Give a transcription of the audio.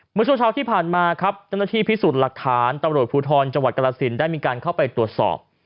เมื่อชั่วเช้าที่ผ่านมาท่านที่พิสูจน์หลักฐานตำรวจภูทรจกำลาสินได้มีการเข้าไปตรวจสอบ